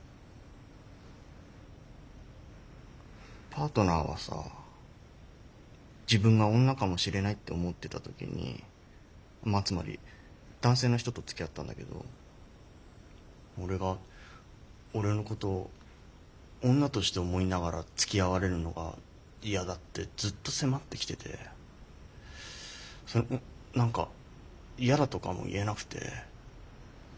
パートナーはさ自分が女かもしれないって思ってた時にまあつまり男性の人とつきあったんだけど俺が俺のことを女として思いながらつきあわれるのが嫌だってずっと迫ってきててそれも何か嫌だとかも言えなくて。